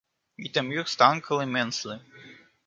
It amused uncle immensely.